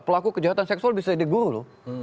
pelaku kejahatan seksual bisa digulu loh